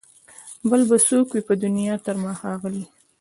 بل به څوک وي پر دنیا تر ما ښاغلی